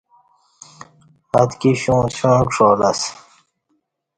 آتکی شوں چوݩع کݜالہ اسہ